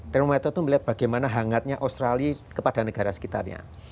thermaito itu melihat bagaimana hangatnya australia kepada negara sekitarnya